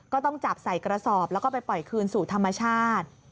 ก็ต้องจับใส่กระสอบแล้วก็ไปปล่อยคืนสู่ธรรมชาติ